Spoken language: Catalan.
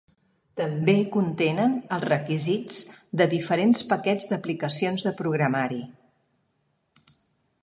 També contenen els requisits de diferents paquets d'aplicacions de programari.